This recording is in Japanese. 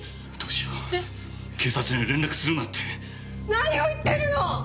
何を言ってるの！？